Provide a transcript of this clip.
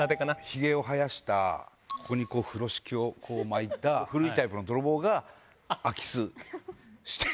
ヒゲを生やした風呂敷を巻いた古いタイプの泥棒が空き巣して。